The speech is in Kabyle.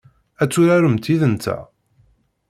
Ad turaremt yid-nteɣ?